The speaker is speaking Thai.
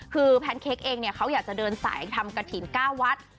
คือแพนเค้กเองเนี่ยเขาอยากจะเดินสายทำกระถิ่น๙วัด